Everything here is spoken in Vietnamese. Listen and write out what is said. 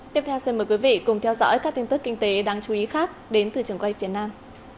tiếp theo xin mời quý vị cùng theo dõi các tin tức kinh tế đáng chú ý khác đến từ trường quay phía nam